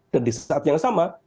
dan di saat yang sama